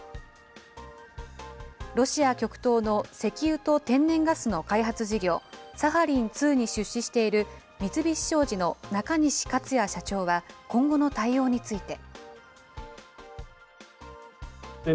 ロシア極東の石油と天然ガスの開発事業、サハリン２に出資している三菱商事の中西勝也社長は今後の対応について。